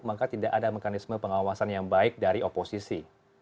maka tidak ada mekanisme pengawasan yang baik dari oposisi